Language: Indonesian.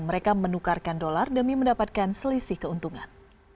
mereka menukarkan dolar demi mendapatkan selisih keuntungan